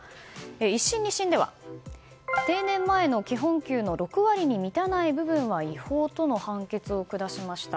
１審、２審では定年前の基本給の６割に満たない部分は違法との判決を下しました。